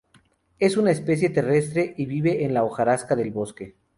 Es una especie terrestre y vive en la hojarasca del bosque.